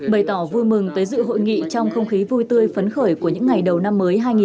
bày tỏ vui mừng tới dự hội nghị trong không khí vui tươi phấn khởi của những ngày đầu năm mới